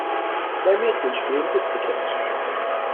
Zwei Mädchen spielen Hüpfekästchen.